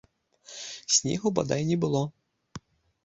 Снегу бадай не было.